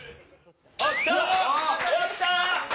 あっ来た！